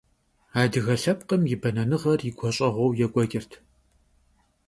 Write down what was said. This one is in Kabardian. Adıge lhepkhım yi benenığer yi guaş'eğueu yêk'ueç'ırt.